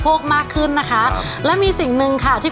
โปรดติดตามต่อไป